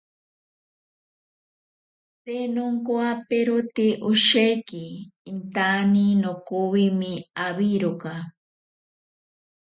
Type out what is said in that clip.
Te nonkowaperote osheki, intane nokovwime awiroka.